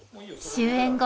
終演後